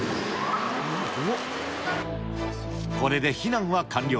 これで避難は完了。